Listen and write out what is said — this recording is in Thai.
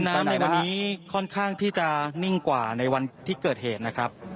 ในวันนี้ค่อนข้างที่จะนิ่งกว่าในวันที่เกิดเหตุนะครับ